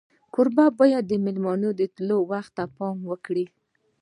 کوربه باید د میلمه د تلو وخت ته پام وکړي.